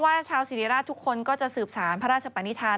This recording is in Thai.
ว่าชาวศรีริราชทุกคนก็จะสืบสารพระราชประณิทาน